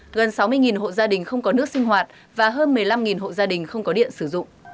gần sáu mươi hộ gia đình không có nước sinh hoạt và hơn một mươi năm hộ gia đình không có điện sử dụng